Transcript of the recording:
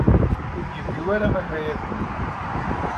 Ur d-yewwi ara akayad-nni.